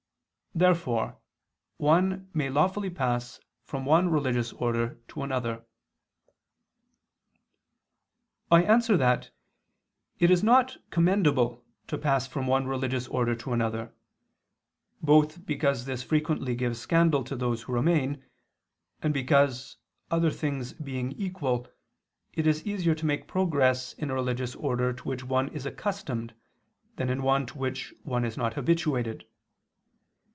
Therefore one may lawfully pass from one religious order to another. I answer that, It is not commendable to pass from one religious order to another: both because this frequently gives scandal to those who remain; and because, other things being equal, it is easier to make progress in a religious order to which one is accustomed than in one to which one is not habituated.